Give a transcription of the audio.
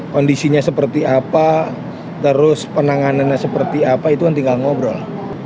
kondisinya seperti apa terus penanganannya seperti apa itu kan tinggal ngobrol